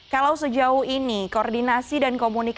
kalau sejauh ini koordinasi dan komunikasi